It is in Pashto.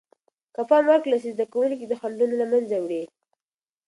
که پام ورکړل سي، زده کوونکي خنډونه له منځه وړي.